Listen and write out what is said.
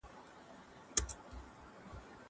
زه به اوږده موده سندري اورېدلي وم!!